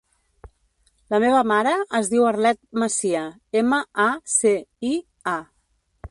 La meva mare es diu Arlet Macia: ema, a, ce, i, a.